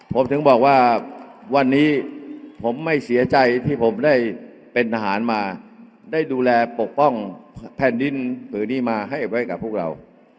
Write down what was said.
ผมถึงบอกว่าวันนี้ผมไม่เสียใจที่ผมได้เป็นทหารมาได้ดูแลปกป้องแผ่นดินผืนนี้มาให้ไว้กับพวกเรา